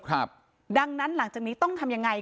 ครับดังนั้นหลังจากนี้ต้องทำยังไง